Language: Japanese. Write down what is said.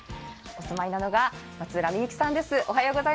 お住まいなのが松浦美幸さんです。